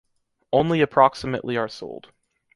Only approximately are sold.